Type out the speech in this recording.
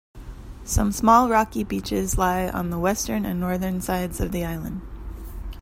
Some small rocky beaches lie on the western and northern sides of the island.